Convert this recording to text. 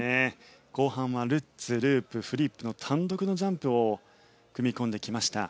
後半はルッツループフリップの単独のジャンプを組み込んできました。